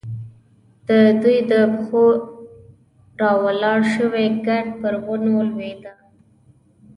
د دوی د پښو راولاړ شوی ګرد پر ونو لوېده.